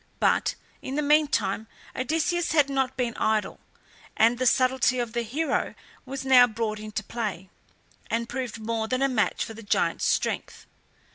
But in the meantime Odysseus had not been idle, and the subtlety of the hero was now brought into play, and proved more than a match for the giant's strength.